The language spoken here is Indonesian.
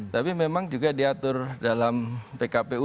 tapi memang juga diatur dalam pkpu